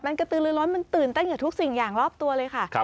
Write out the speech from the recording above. มันตื่นเต้นกับทุกสิ่งอย่างรอบตัวเลยค่ะ